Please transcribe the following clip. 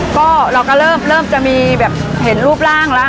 ก็เราก็เริ่มเริ่มจะมีแบบเห็นรูปร่างละ